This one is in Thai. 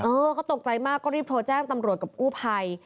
เออก็ตกใจมากก็รีบโทรแจ้งตำรวจกับกู้ภัย